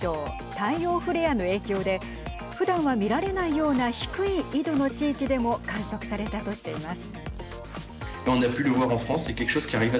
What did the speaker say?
太陽フレアの影響でふだんは見られないような低い緯度の地域でも観測されたとしています。